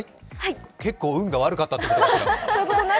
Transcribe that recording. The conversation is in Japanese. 結構、運が悪かったということですか。